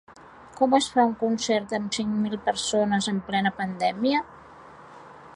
Com es fa un concert amb cinc mil persones en plena pandèmia?